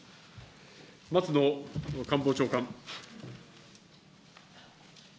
松野官房長官。